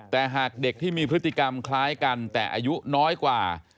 แต่หากเด็กที่มีพฤติกรรมคล้ายกันแต่อายุน้อยกว่า